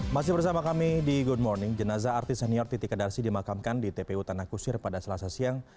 masih bersama kami di good morning jenazah artis senior titik kedarsi dimakamkan di tpu tanah kusir pada selasa siang